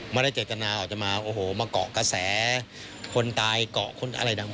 ไม่ได้เจตนาออกจะมาโอ้โหมาเกาะกระแสคนตายเกาะคนอะไรดัง